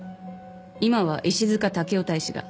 今は石塚武夫大使が。